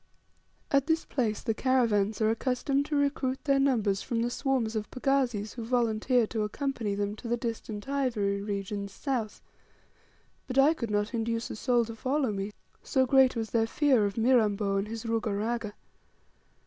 At this place the caravans are accustomed to recruit their numbers from the swarms of pagazis who volunteer to accompany them to the distant ivory regions south; but I could not induce a soul to follow me, so great was their fear of Mirambo and his Ruga Raga.